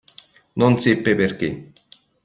Non seppe perché.